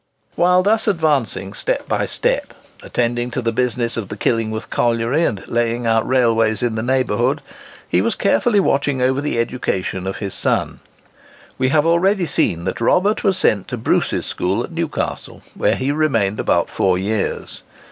While thus advancing step by step,—attending to the business of the Killingworth Colliery, and laying out railways in the neighbourhood,—he was carefully watching over the education of his son. We have already seen that Robert was sent to Bruce's school at Newcastle, where he remained about four years.